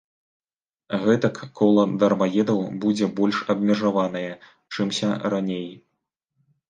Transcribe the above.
Гэтак кола дармаедаў будзе больш абмежаванае, чымся раней.